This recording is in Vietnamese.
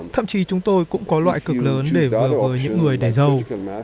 thậm chí chúng tôi cũng có loại cực lớn để vừa với những người đẻ dâu